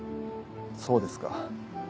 そうですか。